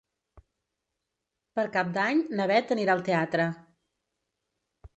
Per Cap d'Any na Bet anirà al teatre.